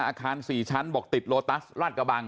อาคาร๔ชั้นบอกติดโลตัสลาดกระบัง